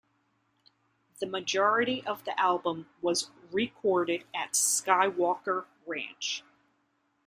The majority of the album was recorded at Skywalker Ranch.